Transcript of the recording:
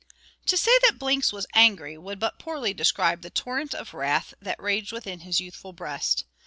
To say that Blinks was angry, would but poorly describe the torrent of wrath that raged within his youthful breast.